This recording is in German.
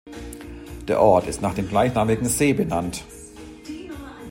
Der Ort ist nach dem gleichnamigen See benannt.